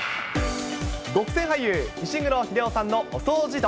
ごくせん俳優、石黒英雄さんのお掃除道。